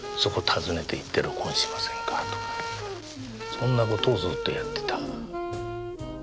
そんなことをずっとやってた。